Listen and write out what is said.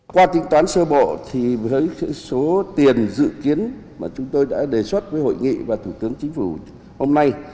qua tính toán sơ bộ thì với số tiền dự kiến mà chúng tôi đã đề xuất với hội nghị và thủ tướng chính phủ hôm nay